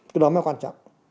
cái đó mới quan trọng